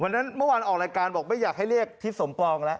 เมื่อวานออกรายการบอกไม่อยากให้เรียกทิศสมปองแล้ว